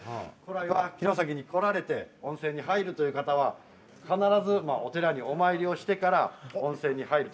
城崎に来られて温泉に入るという方は必ずお寺にお参りしてから温泉に入ると。